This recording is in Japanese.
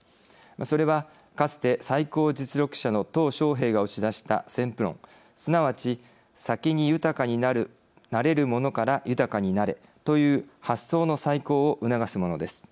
それはかつて最高実力者の小平が打ち出した先富論すなわち先に豊かになれるものから豊かになれという発想の再考を促すものです。